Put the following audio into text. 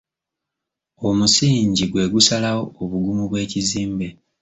Omusingi gwe gusalawo obugumu bw'ekizimbe.